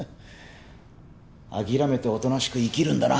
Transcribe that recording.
諦めておとなしく生きるんだな。